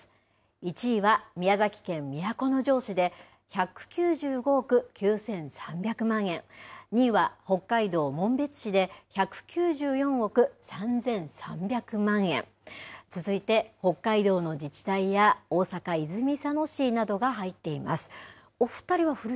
１位は宮崎県都城市で、１９５億９３００万円、２位は北海道紋別市で、１９４億３３００万円、続いて北海道の自治体や、大阪・泉佐野市などが入っています。